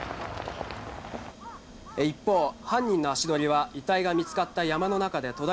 一方犯人の足取りは遺体が見つかった山の中で途絶えたままです。